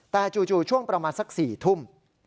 แต่จู่ช่วงประมาณสัก๔ทุ่ม